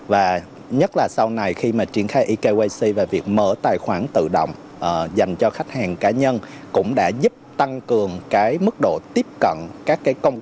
và nhất là sau này khi mà triển khai ekyc và việc mở tài khoản tự động dành cho khách hàng cá nhân cũng đã giúp tăng cường cái mức độ tiếp cận các cái công ty